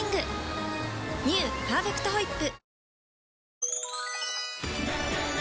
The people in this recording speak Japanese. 「パーフェクトホイップ」